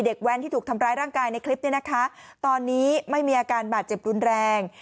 แว้นที่ถูกทำร้ายร่างกายในคลิปนี้นะคะตอนนี้ไม่มีอาการบาดเจ็บรุนแรง